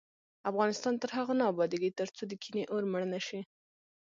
افغانستان تر هغو نه ابادیږي، ترڅو د کینې اور مړ نشي.